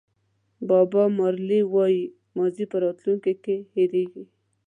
باب مارلې وایي ماضي په راتلونکي کې هېرېږي.